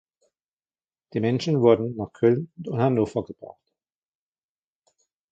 Die Menschen wurden nach Köln und Hannover gebracht.